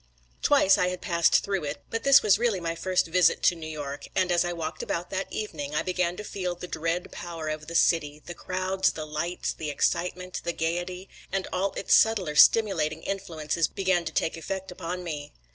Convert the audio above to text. Twice I had passed through it, but this was really my first visit to New York; and as I walked about that evening, I began to feel the dread power of the city; the crowds, the lights, the excitement, the gaiety, and all its subtler stimulating influences began to take effect upon me.